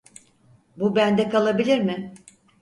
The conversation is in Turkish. Bu bende kalabilir mi?